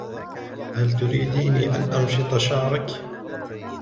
هل تريديني أن مشط شعرك.